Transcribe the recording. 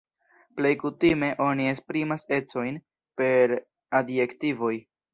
Plej kutime oni esprimas ecojn per adjektivoj.